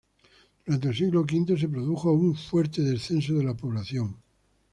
Durante el siglo V se produjo un fuerte descenso de la población.